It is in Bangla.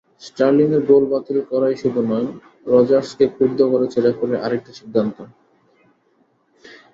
স্টার্লিংয়ের গোল বাতিল করাই শুধু নয়, রজার্সকে ক্ষুব্ধ করেছে রেফারির আরেকটি সিদ্ধান্তও।